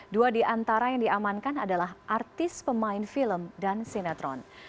dua di antara yang diamankan adalah artis pemain film dan sinetron